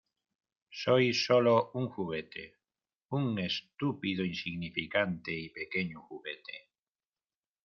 Soy sólo un juguete. Un estúpido insignificante y pequeño juguete .